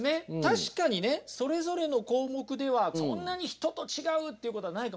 確かにねそれぞれの項目ではそんなに人と違うっていうことはないかもしれません。